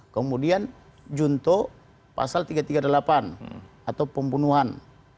kemudian junto pasal tiga ratus tiga puluh delapan atau pembunuhan